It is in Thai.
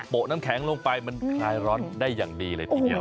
น้ำแข็งลงไปมันคลายร้อนได้อย่างดีเลยทีเดียว